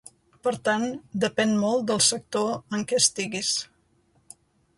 Per tant, depèn molt del sector en què estiguis.